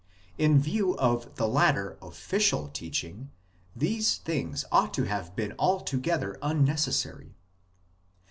In view of the later " official " teaching these things ought to have been altogether unneces sary.